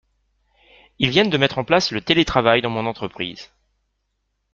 Ils viennent de mettre en place le télétravail dans mon entreprise.